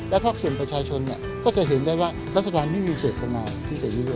และภาคส่วนประชาชนก็จะเห็นได้ว่ารัฐบาลไม่มีเสร็จของเราที่จะอยู่ด้วย